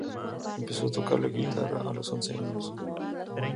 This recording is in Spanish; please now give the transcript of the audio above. Empezó a tocar la guitarra a los once años.